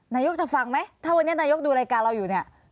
นายกจะฟังไหมถ้าวันนี้นายกดูรายการเราอยู่เนี่ย